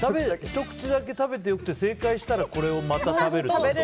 ひと口だけ食べて良くて正解したらこれをまた食べるってこと？